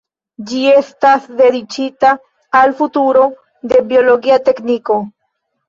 Ĝi estas dediĉita al futuro de biologia tekniko.